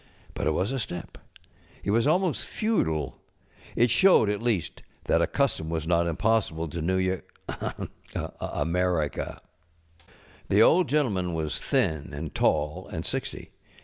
But it was a step. It was almost feudal. It showed, at least, that a Custom was not impossible to New Y ŌĆö ahem! ŌĆö^ America. The Old Gentleman was thin and tall and sixty.